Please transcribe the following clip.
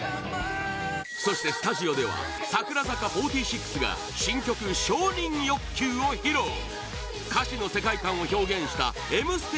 そして、スタジオでは櫻坂４６が新曲「承認欲求」を披露歌詞の世界観を表現した「Ｍステ」